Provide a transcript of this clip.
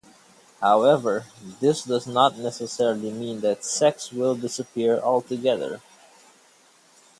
However, this does not necessarily mean that sex will disappear altogether.